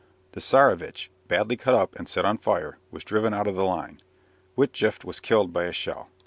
The "Tsarevitch," badly cut up and set on fire, was driven out of the line. Witjeft was killed by a shell.